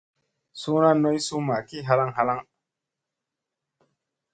Suuna noy summa ki halaŋ halaŋ.